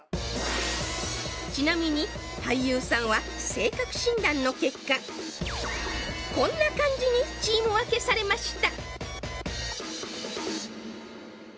ちなみに俳優さんは性格診断の結果こんな感じにチーム分けされました